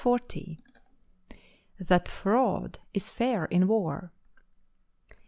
—_That Fraud is fair in War.